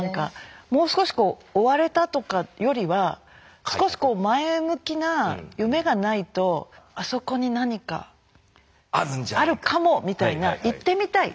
もう少し追われたとかよりは少し前向きな夢がないとあそこに何かあるかもみたいな行ってみたい！